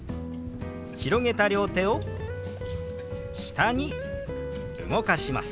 広げた両手を下に動かします。